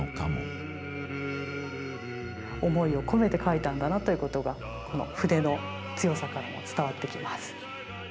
思いを込めて描いたんだなということがこの筆の強さからも伝わってきます。